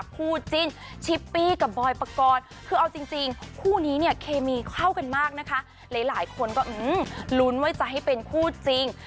คู่จิ้นชิปปี้กับบอยปกรณ์คือเอาจริงคู่นี้เนี่ยเคมีเข้ากันมากนะคะหลายคนก็ลุ้นว่าจะให้เป็นคู่จริง